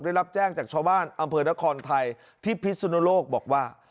ได้รับแจ้งจากชาวบ้านอำเภอนครไทยที่พิสุนโลกบอกว่า